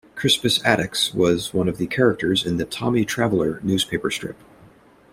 Crispus Attucks was one of the characters in the "Tommy Traveler" newspaper strip.